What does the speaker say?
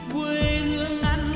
quê hương anh